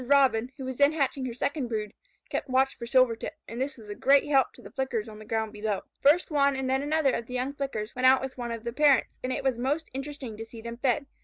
Robin, who was then hatching her second brood, kept watch for Silvertip, and this was a great help to the Flickers on the ground below. First one and then another of the young Flickers went out with one of the parents, and it was most interesting to see them fed.